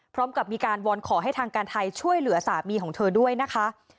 พร้อมกับมีการวอนขอให้ทางการไทยช่วยเหลือสามีของเธอด้วยนะคะ